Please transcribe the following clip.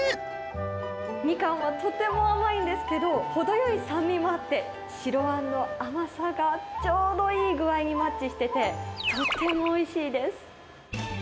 ミカンはとても甘いんですけど、程よい酸味もあって、白あんの甘さがちょうどいい具合にマッチしてて、とてもおいしいです。